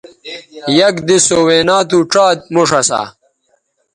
یک دِس سو وینا تھو ڇا موݜ اسا